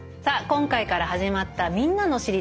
今回から始まった「みんなの『知りたい！』」